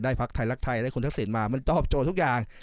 พักไทยรักไทยได้คุณทักษิณมามันตอบโจทย์ทุกอย่าง